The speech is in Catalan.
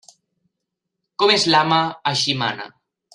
Com és l'ama, així mana.